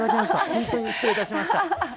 本当に失礼いたしました。